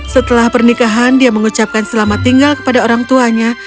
setelah pernikahan dia mengucapkan selamat tinggal kepada orang tuanya